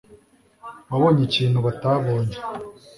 wabonye ikintu batabonye